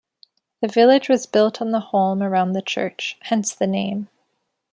The village was built on the holme around the church, hence the name.